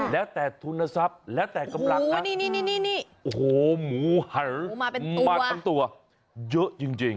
แล้วแต่ทุนทรัพย์แล้วแต่กำลังนะนี่โอ้โหหมูหันมาทั้งตัวเยอะจริง